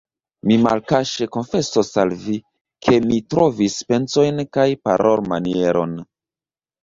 Mi malkaŝe konfesos al vi, ke mi trovis pensojn kaj parolmanieron.